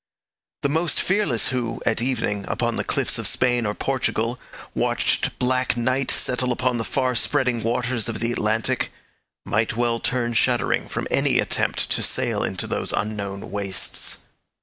The most fearless who, at evening, upon the cliffs of Spain or Portugal, watched black night settle upon the far spreading waters of the Atlantic, might well turn shuddering from any attempt to sail into those unknown wastes.